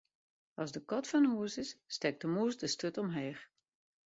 As de kat fan hûs is, stekt de mûs de sturt omheech.